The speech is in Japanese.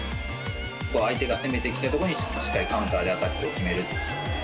相手が攻めてきたところにしっかりカウンターでアタックを決める。